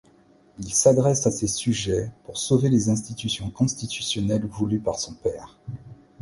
Il s'adresse à ses sujets pour sauver les institutions constitutionnelles voulues par son père.